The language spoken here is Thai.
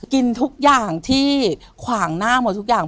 กินทุกอย่างที่ขวางหน้าหมดทุกอย่าง